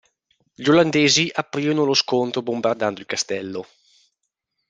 Gli olandesi aprirono lo scontro bombardando il castello.